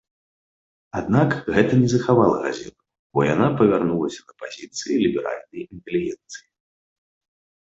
Аднак, гэта не захавала газету, бо яна павярнулася на пазіцыі ліберальнай інтэлігенцыі.